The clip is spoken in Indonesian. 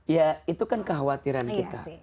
ya itu kan kekhawatiran kita